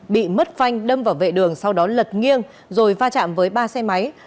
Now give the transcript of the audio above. bị mất phanh đâm vào vệ đường sau đó lật nghiêng rồi va chạm với ba xe máy